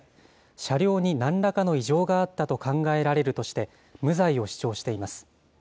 車両になんらかの異常があったと考えられるとして、無罪を主張しています。